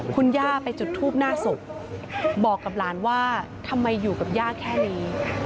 คุณย่าไปจุดทูบหน้าศพบอกกับหลานว่าทำไมอยู่กับย่าแค่นี้